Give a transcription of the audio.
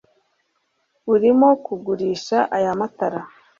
Urimo kugurisha aya matara